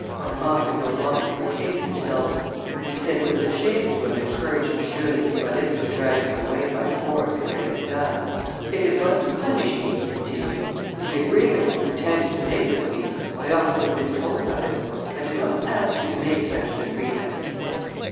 Armand could no longer contain himself; he said it was a shame to have encouraged Jules and Hippolyte to drag him away by force, as they had done: "If it was to punish me," he continued, "for the agreement you pretended to make with me, I ought to have been told of it. I did not ask you to make such an agreement."